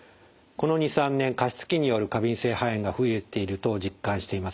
この２３年加湿器による過敏性肺炎が増えていると実感しています。